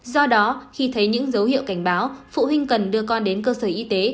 do đó khi thấy những dấu hiệu cảnh báo phụ huynh cần đưa con đến cơ sở y tế